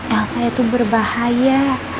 elsa itu berbahaya